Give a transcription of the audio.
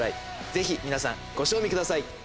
ぜひ皆さんご賞味ください。